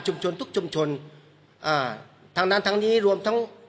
จุดทุกจุดชนอ่าทั้งนั้นทั้งนี้โรมทั้งจุม